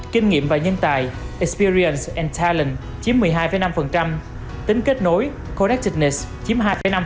kinh nghiệm và nhân tài experience and talent chiếm một mươi hai năm tính kết nối connectedness chiếm hai năm